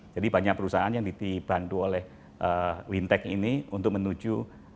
jadi banyak perusahaan yang dibantu oleh wintek ini untuk menuju perusahaan